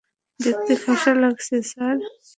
দেখতে খাসা লাগছে, স্যার।